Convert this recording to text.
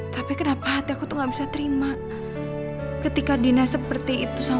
tapi kenapa hati aku tuh gak bisa terima ketika dina seperti itu sama